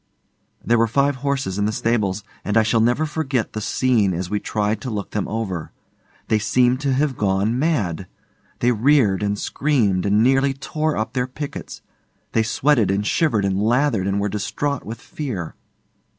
There were five horses in the stables, and I shall never forget the scene as we tried to look them over. They seemed to have gone mad. They reared and screamed and nearly tore up their pickets; they sweated and shivered and lathered and were distraught with fear.